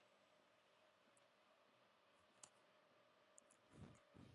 na vipimo vinaonyesha mtoto huyu ameambukizwa virusi vya ukimwi